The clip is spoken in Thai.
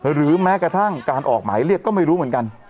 หรือแม้กระทั่งการออกหมายเรียกก็ไม่รู้เหมือนกัน